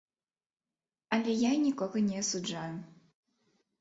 Але я нікога не асуджаю.